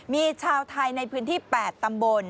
มีชาวไทยในพื้นที่๘ตำบล